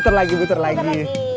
muter lagi muter lagi